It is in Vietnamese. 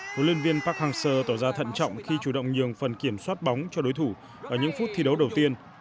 huấn luyện viên park hang seo tỏ ra thận trọng khi chủ động nhường phần kiểm soát bóng cho đối thủ ở những phút thi đấu đầu tiên